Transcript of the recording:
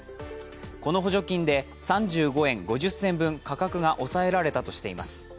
この補助金で３５円５０銭分、価格が抑えられたとしています。